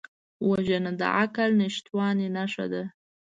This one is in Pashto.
وژنه د عقل نشتوالي نښه ده